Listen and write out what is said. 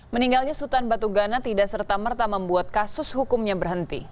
meninggalnya sutan batugana tidak serta merta membuat kasus hukumnya berhenti